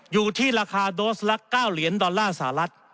อยู่ที่ราคาโดสละ๙เหรียญดอลลาร์สหรัฐ